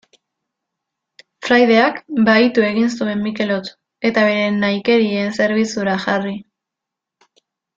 Fraideak bahitu egin zuen Mikelot, eta bere nahikerien zerbitzura jarri.